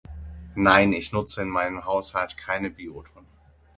Nein ich nutze in meinem Haushalt keine. [unintelligible]